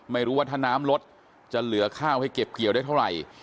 ไม่รู้ว่าถ้าน้ำลดจะเหลือข้าวให้เก็บเกี่ยวได้เท่าไหร่